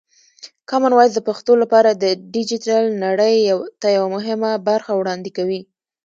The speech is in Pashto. کامن وایس د پښتو لپاره د ډیجیټل نړۍ ته یوه مهمه برخه وړاندې کوي.